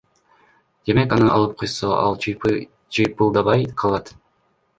Демек аны алып койсо ал чыйпылдабай калат.